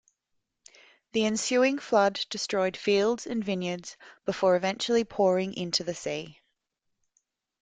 The ensuing flood destroyed fields and vineyards before eventually pouring into the sea.